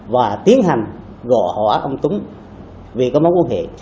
và tiến hành gò hỏa ông tuấn vì có mối quan hệ